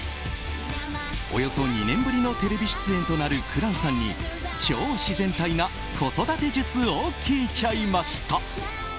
およそ２年ぶりのテレビ出演となる紅蘭さんに超自然体な子育て術を聞いちゃいました。